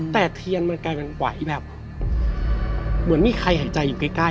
แต่เทียนมันกลายเป็นไหวแบบเหมือนมีใครหายใจอยู่ใกล้